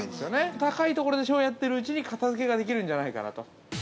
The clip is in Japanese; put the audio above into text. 高いところでショーをやっているうちに、片づけができるんじゃないかなと。